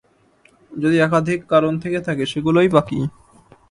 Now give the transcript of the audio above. যদি একাধিক কারণ থেকে থাকে, সেগুলোই বা কী?